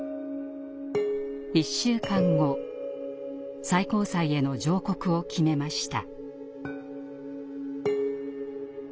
１週間後最高裁への上告を決めました。